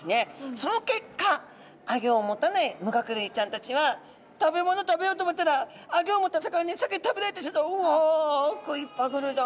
その結果アギョを持たない無顎類ちゃんたちは食べ物食べようと思ったらアギョを持った魚に先に食べられてうわ食いっぱぐれだ。